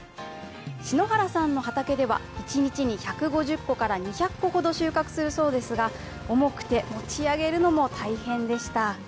篠原さんの畑では、一日に１５０から２００個ほど収穫するそうですが、重くて持ち上げるのも大変でした。